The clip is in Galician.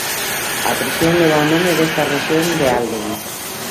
A prisión leva o nome desta rexión de Alden.